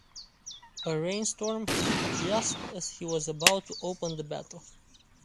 A rainstorm hit just as he was about to open the battle.